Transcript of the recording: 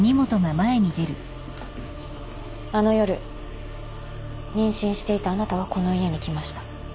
あの夜妊娠していたあなたはこの家に来ました。